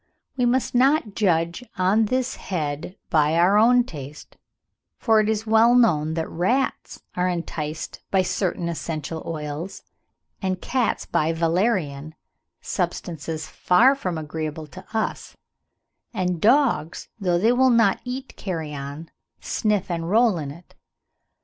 We must not judge on this head by our own taste, for it is well known that rats are enticed by certain essential oils, and cats by valerian, substances far from agreeable to us; and that dogs, though they will not eat carrion, sniff and roll on it.